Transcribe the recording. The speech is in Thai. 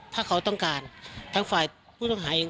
ถ้าเขาต้องการทั้งฝ่ายผู้ต้องหาเอง